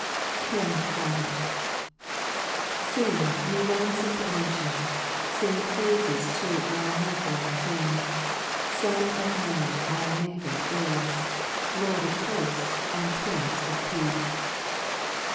HYMN XII. 1 £1ING, ye ranfom'd nations, Cng *3 Praifes to our new born King ; Son of man our Maker is, Lord of 11 oils, and Prince of Peace.